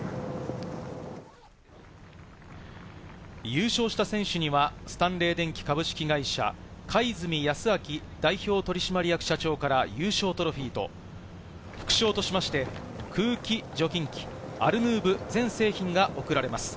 優勝した選手にはスタンレー電気株式会社・貝住泰昭代表取締役社長から優勝トロフィーと、副賞としまして、空気除菌機アルヌーブ全製品が贈られます。